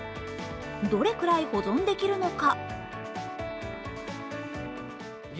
どれくらい保存できるのか？